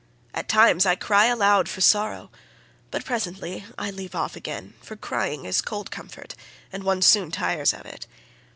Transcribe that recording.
At times I cry aloud for sorrow, but presently I leave off again, for crying is cold comfort and one soon tires of it.